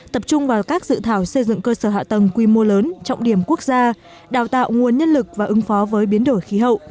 tập trung vào các dự thảo xây dựng cơ sở hạ tầng quy mô lớn trọng điểm quốc gia đào tạo nguồn nhân lực và ứng phó với biến đổi khí hậu